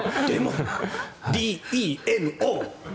ＤＥＭＯ。